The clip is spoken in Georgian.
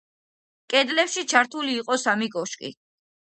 კედლებში ჩართული იყო სამი კოშკი.